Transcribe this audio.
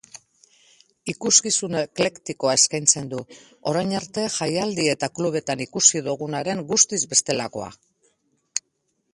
Ikuskizun eklektikoa eskaintzen du, orain arte jaialdi eta eta klubetan ikusi dugunaren guztiz bestelakoa.